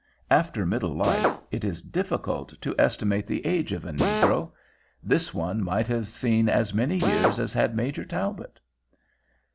After middle life, it is difficult to estimate the age of a negro. This one might have seen as many years as had Major Talbot.